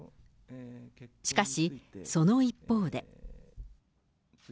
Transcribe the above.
しかし、その一方で。